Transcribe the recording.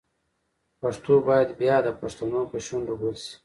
پښتو باید بیا د پښتنو په شونډو ګل شي.